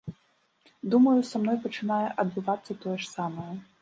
Думаю, са мной пачынае адбывацца тое ж самае.